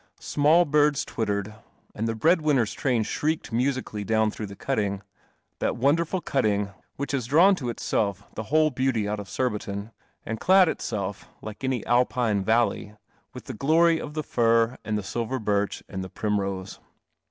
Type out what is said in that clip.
Small birds twittered, and the breadwinners' train shrieked musically down through the cutting — that wonderful cutting which has drawn to itself the whole beauty out of Surbiton, and clad itself, like any Alpine valley, with the glory of the fir and the silver birch and the primrose.